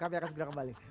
kami akan segera kembali